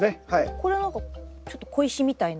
これ何かちょっと小石みたいな。